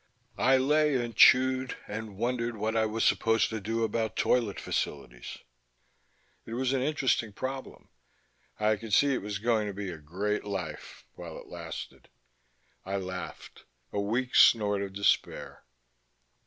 I lay and chewed, and wondered what I was supposed to do about toilet facilities; it was an interesting problem. I could see it was going to be a great life, while it lasted. I laughed: a weak snort of despair.